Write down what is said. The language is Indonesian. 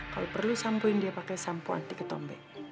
kalau perlu sampoin dia pakai sampo anti ketombe